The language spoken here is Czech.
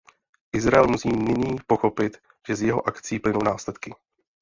Izrael musí nyní pochopit, že z jeho akcí plynou následky.